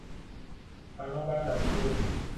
بنابر دستور او